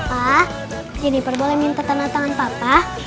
papa ini perboleh minta tanda tangan papa